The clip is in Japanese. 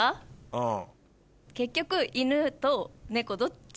うん。